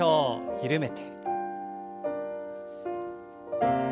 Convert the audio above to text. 緩めて。